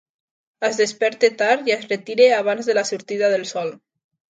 Es desperta tard i es retira abans de la sortida del sol.